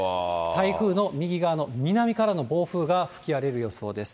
台風の右側の南からの暴風が吹き荒れる予想です。